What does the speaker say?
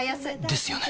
ですよね